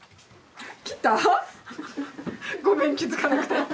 ごめん気付かなくて。